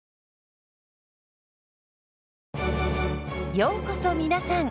ようこそ皆さん。